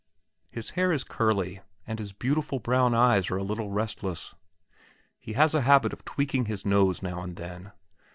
His hair is curly, and his beautiful brown eyes are a little restless. He has a habit of tweaking his nose now and then.